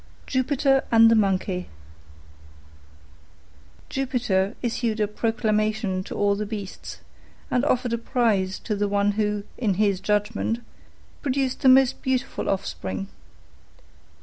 JUPITER AND THE MONKEY Jupiter issued a proclamation to all the beasts, and offered a prize to the one who, in his judgment, produced the most beautiful offspring.